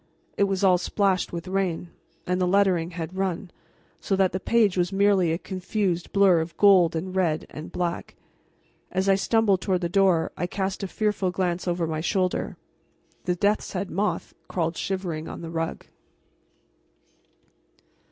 It was all splashed with rain, and the lettering had run, so that the page was merely a confused blur of gold and red and black. As I stumbled toward the door I cast a fearful glance over my shoulder. The death's head moth crawled shivering on the rug.